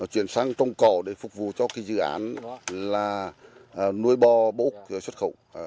chuyển sang trồng cỏ để phục vụ cho dự án nuôi bò bỗ xuất khẩu